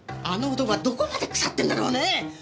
あの男はどこまで腐ってんだろうね！